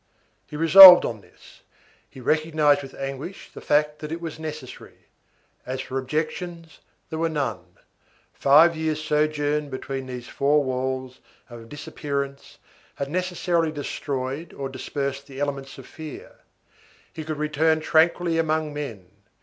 He resolved on this; he recognized with anguish, the fact that it was necessary. As for objections, there were none. Five years' sojourn between these four walls and of disappearance had necessarily destroyed or dispersed the elements of fear. He could return tranquilly among men.